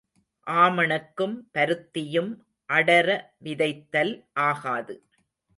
ஆமணக்கும் பருத்தியும் அடர விதைத்தல் ஆகாது.